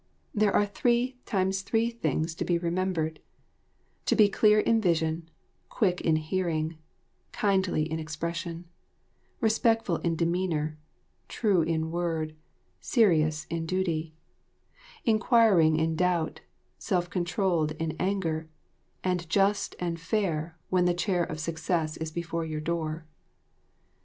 There are three times three things to be remembered: To be clear in vision, Quick in hearing, Kindly in expression, Respectful in demeanour, True in word, Serious in duty, Inquiring in doubt, Self controlled in anger, And just and fair when the chair of success is before your door."